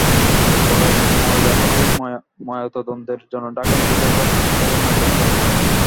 পরে মরদেহটি ময়নাতদন্তের জন্য ঢাকা মেডিকেল কলেজ হাসপাতালের মর্গে পাঠানো হয়।